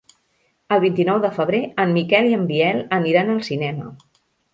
El vint-i-nou de febrer en Miquel i en Biel aniran al cinema.